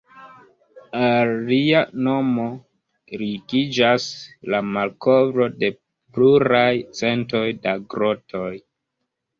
Al lia nomo ligiĝas la malkovro de pluraj centoj da grotoj.